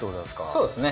そうですね。